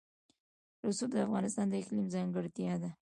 رسوب د افغانستان د اقلیم ځانګړتیا ده.